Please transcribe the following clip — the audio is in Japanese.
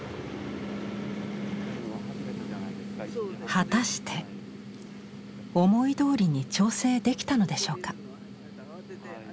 果たして思いどおりに調整できたのでしょうか。